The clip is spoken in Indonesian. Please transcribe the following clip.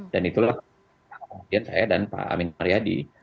dan itulah kemudian saya dan pak amin maryadi